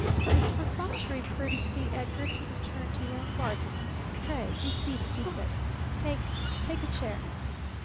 '" With perfunctory courtesy Edgarton turned to young Barton. "Pray be seated," he said; "take take a chair."